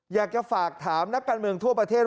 อยากจะฝากถามนักการเมืองทั่วประเทศ